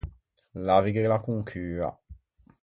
Lavighela con cua.